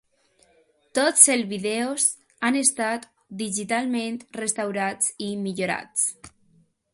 Tots els vídeos han estat digitalment restaurats i millorats.